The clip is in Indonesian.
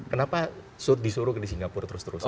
kenapa disuruh di singapura terus terusan